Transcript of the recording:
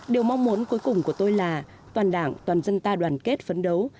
điều mong muốn cuối cùng của tôi là toàn đảng toàn dân ta đoàn kết phấn đấu